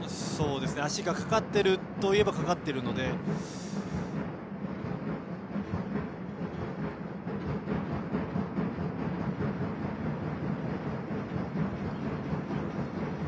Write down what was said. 足がかかっているといえばかかっているのでね。